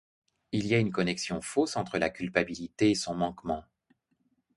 Il y a une connexion fausse entre la culpabilité et son manquement.